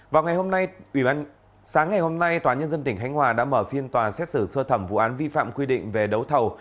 sáng ngày hôm nay tòa nhân dân tỉnh khánh hòa đã mở phiên tòa xét xử sơ thẩm vụ án vi phạm quy định về đấu thầu